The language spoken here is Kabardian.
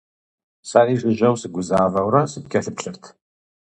Сэри жыжьэу сыгузавэурэ сыпкӀэлъыплъырт.